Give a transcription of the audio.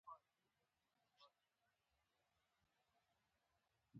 محقق بېل فکري او عقلي سیسټم لري.